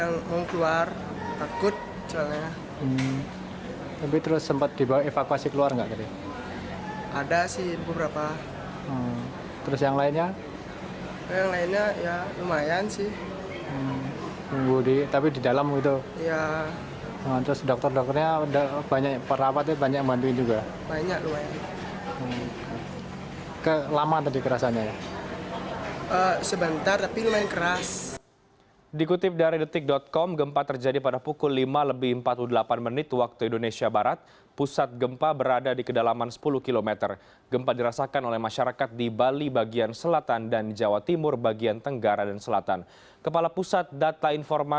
gempa bumi berkedalaman dangkal ini diakibatkan oleh aktivitas subduksi lempeng indo australia